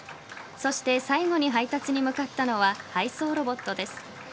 そして最後に配達に向かったのは配送ロボットです。